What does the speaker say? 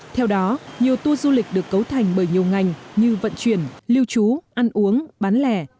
theo đó nhiều tour du lịch được cấu thành bởi nhiều ngành như vận chuyển lưu trú ăn uống bán lẻ